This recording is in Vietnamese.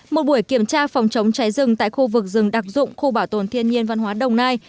một buổi kiểm tra phòng chống cháy rừng tại khu vực rừng đặc dụng khu bảo tồn thiên nhiên văn hóa đồng nai